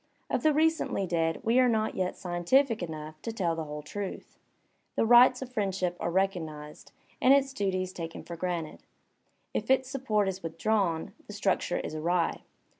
Of the recently dead we are not yet scientific enough to tell the whole truth. The rights of friendship are recognized, and its duties taken for granted. If its support is withdrawn, the structure is awry.